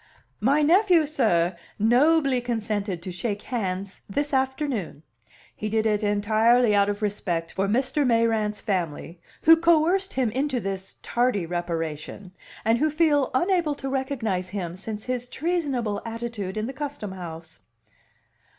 "My nephew, sir, nobly consented to shake hands this afternoon. He did it entirely out of respect for Mr. Mayrant's family, who coerced him into this tardy reparation, and who feel unable to recognize him since his treasonable attitude in the Custom House."